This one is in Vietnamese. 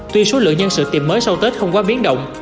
tuy số lượng nhân sự tìm mới sau tết không quá biến động